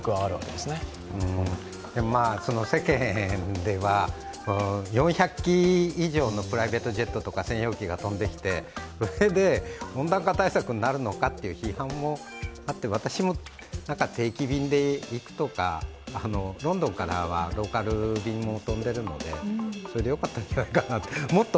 でも世間では、４００機以上のプライベートジェットとか専用機が飛んで、それで温暖化対策になるのかって話がありますが私も定期便で行くとか、ロンドンからはローカル便も飛んでいるので、それでよかったんじゃないかなと。